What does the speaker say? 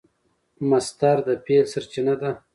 مصدر د فعل سرچینه ده.